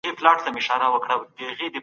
سرچینې باید د راتلونکو نسلونو لپاره وساتل سي.